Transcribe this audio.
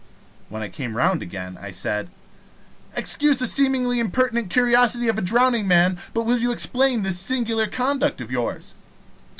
When I came round again, I said: "Excuse the seemingly impertinent curiosity of a drowning man, but will you explain this singular conduct of yours?"